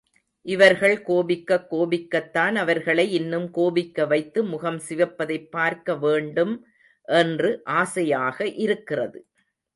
இவர்கள் கோபிக்கக் கோபிக்கத்தான் அவர்களை இன்னும் கோபிக்க வைத்து முகம் சிவப்பதைப் பார்க்க வேண்டும், என்று ஆசையாக இருக்கிறது.